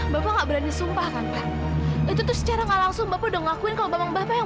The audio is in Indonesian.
bapak gak berani sumpahkan itu secara nggak langsung bapak udah ngakuin kalau bapak yang